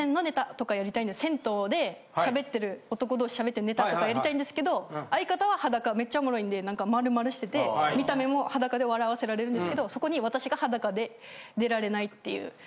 銭湯で喋ってる男同士喋ってるネタとかやりたいんですけど相方は裸めっちゃおもろいんでなんか丸々してて見た目も裸で笑わせられるんですけどそこに私が裸で出られないっていう。